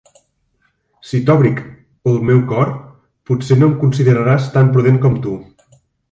Si t'òbric l meu cor, potser no em consideraràs tan prudent com tu.